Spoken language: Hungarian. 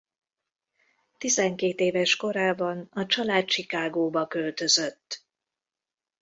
Tizenkét éves korában a család Chicagoba költözött.